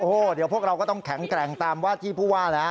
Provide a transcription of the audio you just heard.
โอ้โหเดี๋ยวพวกเราก็ต้องแข็งแกร่งตามวาดที่ผู้ว่าแล้ว